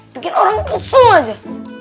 bikin orang kesel aja